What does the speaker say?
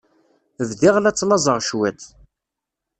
Bdiɣ la ttlaẓeɣ cwiṭ.